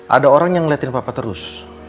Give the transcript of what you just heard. ada orang yang ngeliatin papa terus